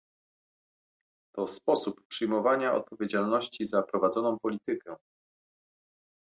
To sposób przyjmowania odpowiedzialności za prowadzoną politykę